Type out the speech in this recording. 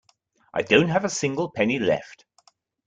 I don't have a single penny left.